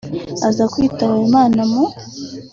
aza kwitaba Imana mu